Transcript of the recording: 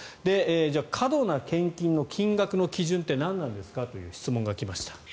じゃあ、過度な献金の金額の基準って何なんですかって質問が来ました。